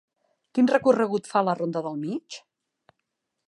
Quin recorregut fa la ronda del Mig?